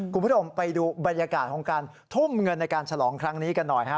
คุณผู้ชมไปดูบรรยากาศของการทุ่มเงินในการฉลองครั้งนี้กันหน่อยฮะ